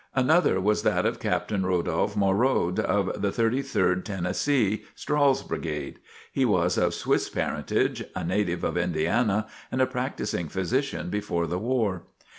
Another was that of Captain Rodolph Morerod, of the Thirty third Tennessee, Strahl's brigade. He was of Swiss parentage, a native of Indiana and a practicing physician before the war.